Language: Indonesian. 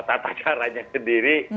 tata caranya sendiri